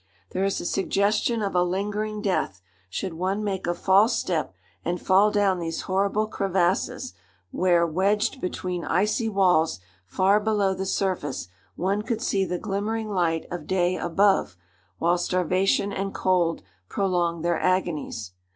There is a suggestion of a lingering death, should one make a false step and fall down these horrible crevasses, where, wedged between icy walls far below the surface, one could see the glimmering light of day above, while starvation and cold prolong their agonies.